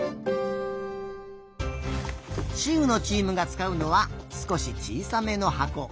しうのチームがつかうのはすこしちいさめのはこ。